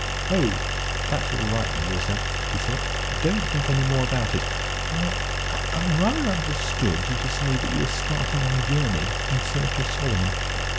"Oh, that's all right, my dear sir," he said, "don't think any more about it. I I rather understood you to say that you were starting on a journey in search of Solomon?"